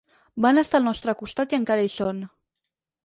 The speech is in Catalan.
Van estar al nostre costat i encara hi són.